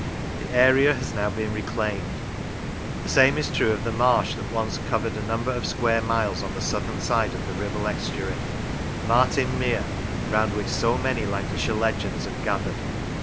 The area has now been reclaimed. The same is true of the marsh that once covered a number of square miles on the southern side of the Kibble estuary Martin Mere, round which so many Lancashire legends have gathered.